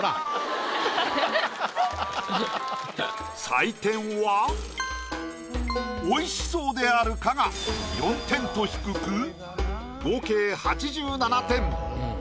採点は美味しそうであるかが４点と低く合計８７点。